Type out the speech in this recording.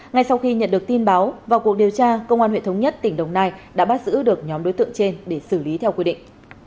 ngay sau khi nhận được tin báo vào cuộc điều tra công an huyện thống nhất tỉnh đồng nai đã bắt giữ được nhóm đối tượng trên để xử lý theo quy định